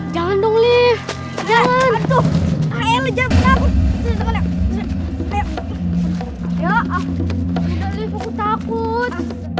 jangan dong nih jangan aku takut